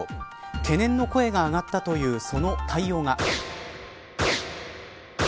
懸念の声が上がったというその対応が。